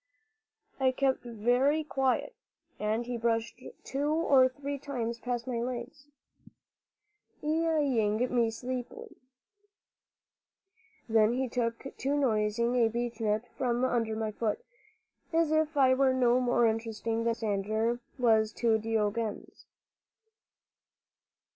I kept very quiet, and he brushed two or three times past my legs, eyeing me sleepily. Then he took to nosing a beechnut from under my foot, as if I were no more interesting than Alexander was to Diogenes.